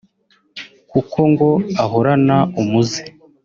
kuko ngo ahorana umuze